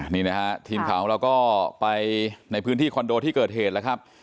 นี่นะฮะทีมข่าวของเราก็ไปในพื้นที่คอนโดที่เกิดเหตุแล้วครับ